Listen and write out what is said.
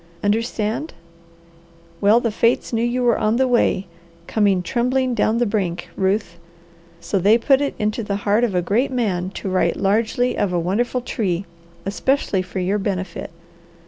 Understand? Well, the fates knew you were on the way, coming trembling down the brink, Ruth, so they put it into the heart of a great man to write largely of a wonderful tree, especially for your benefit.